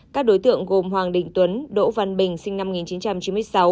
các đối tượng gồm hoàng đình tuấn đỗ văn bình sinh năm một nghìn chín trăm chín mươi sáu